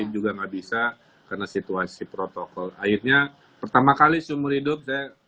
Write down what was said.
juga nggak bisa karena situasi protokol akhirnya pertama kali seumur hidup saya